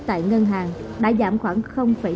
tại ngân hàng đã giảm khoảng